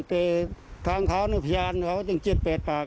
แต่ทางเขาพยานเขาจึงเจ็ดเปรตปาก